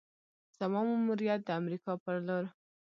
زما ماموریت د امریکا پر لور: